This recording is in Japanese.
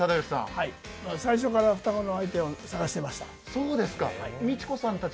はい、最初から双子の相手を探していました。